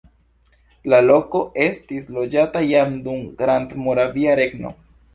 La loko estis loĝata jam dum Grandmoravia Regno.